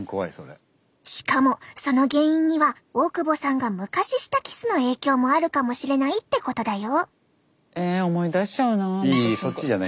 しかもその原因には大久保さんが昔したキスの影響もあるかもしれないってことだよ。